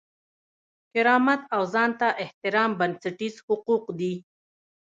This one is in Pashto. کرامت او ځان ته احترام بنسټیز حقوق دي.